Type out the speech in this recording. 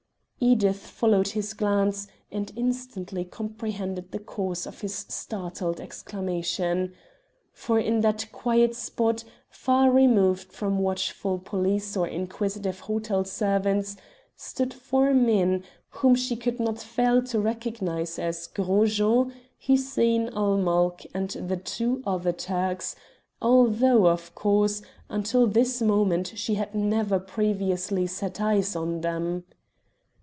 Edith followed his glance, and instantly comprehended the cause of his startled exclamation. For in that quiet spot, far removed from watchful police or inquisitive hotel servants, stood four men, whom she could not fail to recognize as Gros Jean, Hussein ul Mulk, and the other two Turks, although, of course, until this moment she had never previously set eyes on them.